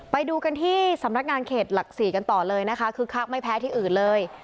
ไปดูกันที่สำนักงานเขตหลัก๔กันต่อเลยนะคะคึกคักไม่แพ้ที่อื่นเลย